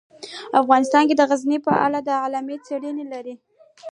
افغانستان د غزني په اړه علمي څېړنې لري.